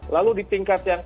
lalu di tingkat yang